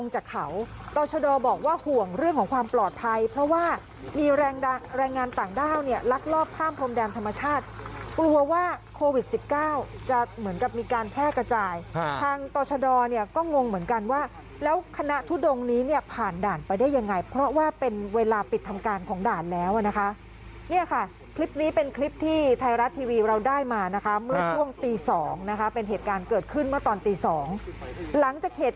ห่วงเรื่องของความปลอดภัยเพราะว่ามีแรงดังแรงงานต่างด้าวเนี่ยลักลอบข้ามพรมแดนธรรมชาติกลัวว่าโควิด๑๙จะเหมือนกับมีการแพร่กระจ่ายทางตรชดรเนี่ยก็งงเหมือนกันว่าแล้วคณะทุดงนี้เนี่ยผ่านด่านไปได้ยังไงเพราะว่าเป็นเวลาปิดทำการของด่านแล้วนะคะเนี่ยค่ะคลิปนี้เป็นคลิปที่ไทยรั